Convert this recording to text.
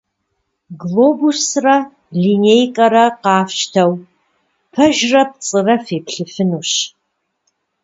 Глобусрэ линейкэрэ къафщтэу, пэжрэ пцӀырэ феплъыфынущ.